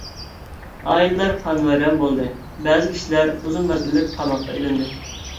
ئائىلىلەر خانىۋەيران بولدى، بەزى كىشىلەر ئۇزۇن مەزگىللىك قاماققا ئېلىندى.